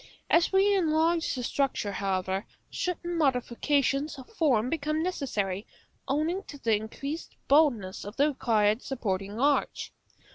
As we enlarge the structure, however, certain modifications of form become necessary, owing to the increased boldness of the required supporting arch.